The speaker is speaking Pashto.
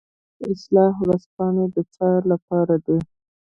اصلاح ورځپاڼه د څه لپاره ده؟